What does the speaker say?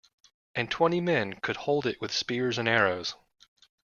And twenty men could hold it with spears and arrows.